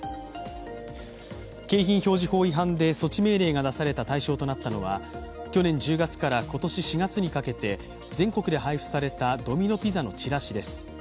景品表示法違反で措置命令が出された対象となったのは去年１０月から今年４月にかけて全国で配布されたドミノ・ピザのチラシです。